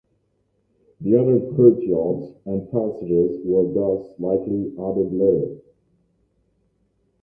The other courtyards and passages were thus likely added later.